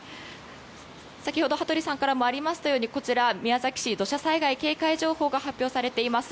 先ほど羽鳥さんからもありましたようにこちら、宮崎市土砂災害警戒情報が発表されています。